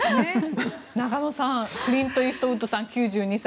中野さんクリント・イーストウッドさん９２歳。